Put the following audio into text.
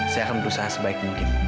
saya akan berusaha sebaik mungkin